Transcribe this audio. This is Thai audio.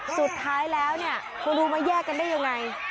สุดท้ายแล้วเนี่ยคุณรู้มาแยกกันได้ยังไง